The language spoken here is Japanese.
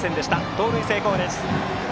盗塁成功です。